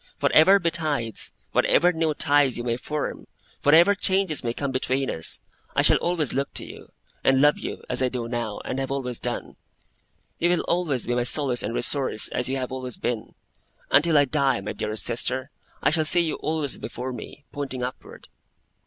Whatever betides, whatever new ties you may form, whatever changes may come between us, I shall always look to you, and love you, as I do now, and have always done. You will always be my solace and resource, as you have always been. Until I die, my dearest sister, I shall see you always before me, pointing upward!